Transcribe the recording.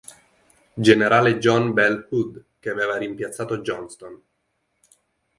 Gen. John Bell Hood, che aveva rimpiazzato Johnston.